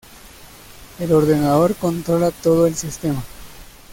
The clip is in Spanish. El ordenador controla todo el sistema.